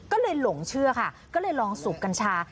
ก็เลยหลงเชื่อค่ะก็เลยลองสูบกัญชา